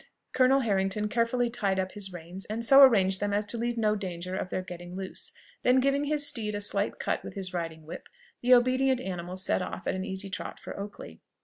Colonel Harrington carefully tied up his reins and so arranged them as to leave no danger of their getting loose; then giving his steed a slight cut with his riding whip, the obedient animal set off at an easy trot for Oakley.